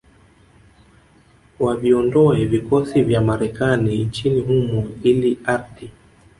waviondoe vikosi vya Marekani nchini humo ili ardhi